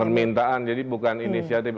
permintaan jadi bukan inisiatif